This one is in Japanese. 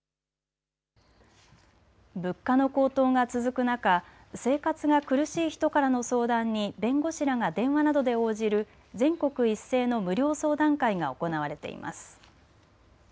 物価の高騰が続く中、生活が苦しい人からの相談に弁護士らが電話などで応じる全国一斉の無料相談会が行われています。